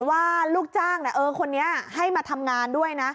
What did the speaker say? ว่าลูกจ้างคนนี้ให้มาทำงานด้วยนะ